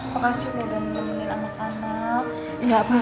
makasih udah ngemenin anak anak